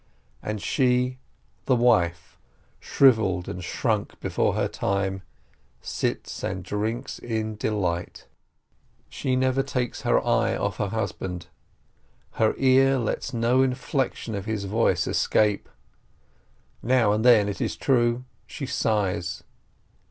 And she, the wife, shrivelled and shrunk before her time, sits and drinks in delight. She never takes her A WOMAN'S WRATH 57 eye off her husband, her ear lets no inflection of his voice escape. Now and then, it is true, she sighs.